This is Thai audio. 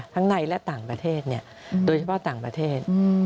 ในและต่างประเทศโดยเฉพาะต่างประเทศ